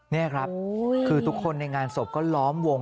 นี่ครับคือทุกคนในงานศพก็ล้อมวง